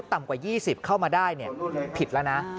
ต่ำกว่า๒๐เข้ามาได้ผิดแล้วนะ